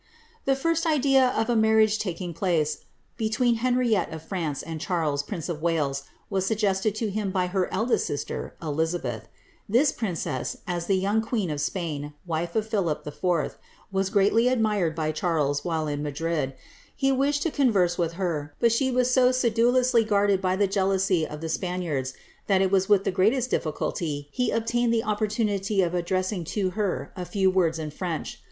* The first idea of a marriage taking place between Henriette of France and Charles, prince of Wales, was suggested to him by her eldest sister, Diabeth. This princess, as the young queen of Spain, wife of Philip IV., was greatly admired by Charles, while at Madrid. He wished to converse with her, but she was so sedulously guarded by the jealousy of the Spaniards, that it was with the greatest difficulty he obtained the opportunity of addressing to her a few words in French.